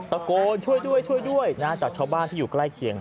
ตะโกนช่วยด้วยจากชาวบ้านที่อยู่ใกล้เคียง